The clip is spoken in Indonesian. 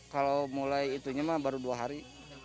kalau mulai itunya mah baru dua hari